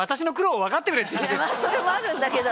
いやまあそれもあるんだけど。